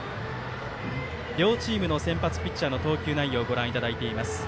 両チームの先発ピッチャーの投球内容をご覧いただいています。